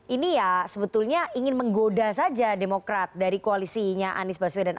ini ya sebetulnya ingin menggoda saja demokrat dari koalisinya anies baswedan